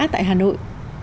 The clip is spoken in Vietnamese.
tại hà nội